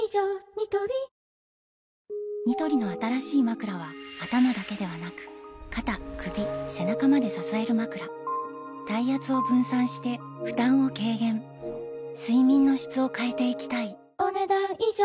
ニトリニトリの新しいまくらは頭だけではなく肩・首・背中まで支えるまくら体圧を分散して負担を軽減睡眠の質を変えていきたいお、ねだん以上。